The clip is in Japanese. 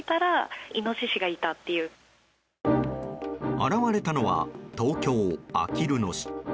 現れたのは東京・あきる野市。